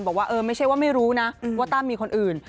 บอกว่าเออไม่ใช่ว่าไม่รู้นะว่าตั้มมีคนอื่น